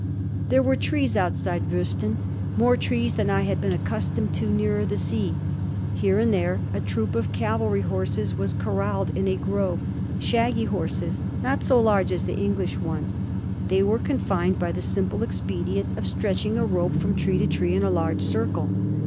There were trees outside Woesten, more trees than I had been accustomed to nearer the sea. Here and there a troop of cavalry horses was corralled in a grove; shaggy horses, not so large as the English ones. They were confined by the simple expedient of stretching a rope from tree to tree in a large circle.